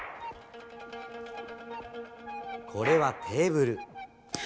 これはテーブル。